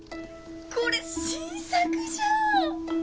これ新作じゃん。